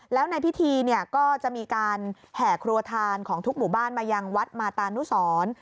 แล้วในพิธีเนี่ยก็จะมีการแห่ครัวทานของทุกหมู่บ้านมายังวัดมาตานุสร